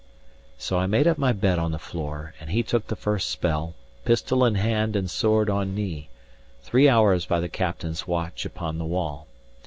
So I made up my bed on the floor; and he took the first spell, pistol in hand and sword on knee, three hours by the captain's watch upon the wall.